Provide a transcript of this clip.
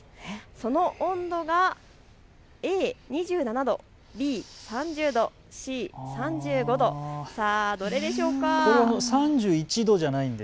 その温度がＡ２７度、Ｂ３０度、Ｃ３５度、どれでしょう。